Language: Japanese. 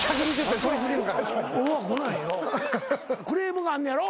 クレームがあんねやろ？